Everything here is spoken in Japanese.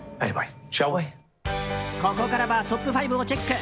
ここからはトップ５をチェック。